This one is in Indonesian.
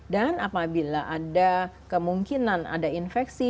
dan apabila ada kemungkinan ada infeksi